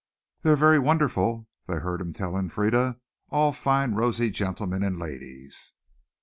"They're very wonderful," they heard him telling Frieda, "all fine rosy gentlemen and ladies."